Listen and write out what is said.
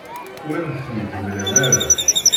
Ur am-ten-id-mlan ara.